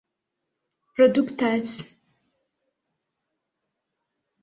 produktas